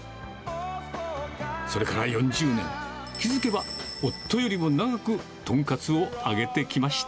それから４０年、気付けば夫よりも長く豚カツを揚げてきました。